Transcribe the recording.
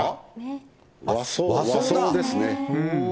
和装ですね。